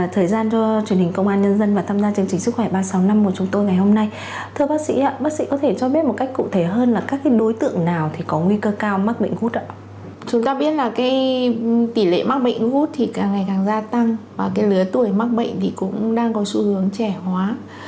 tỷ lệ mắc bệnh gút thì càng ngày càng gia tăng và lứa tuổi mắc bệnh cũng đang có xu hướng trẻ hóa